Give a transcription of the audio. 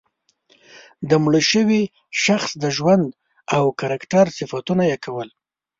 د مړه شوي شخص د ژوند او کرکټر صفتونه یې کول.